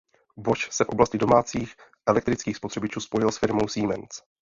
Bosch se v oblasti domácích elektrických spotřebičů spojil s firmou Siemens.